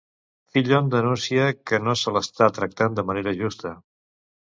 Fillon denuncia que no se l'està tractant de manera justa.